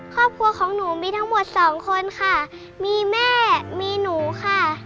ครอบครัวของหนูมีทั้งหมดสองคนค่ะมีแม่มีหนูค่ะ